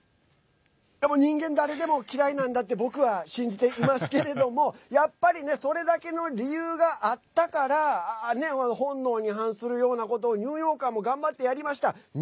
人間誰でも嫌いなんだって僕は信じていますけれどもやっぱりねそれだけの理由があったから本能に反するようなことをニューヨーカーも頑張って、やりました。